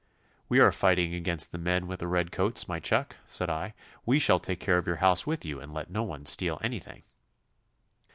'We are fighting against the men with the red coats, my chuck,' said I; 'we shall take care of your house with you, and let no one steal anything.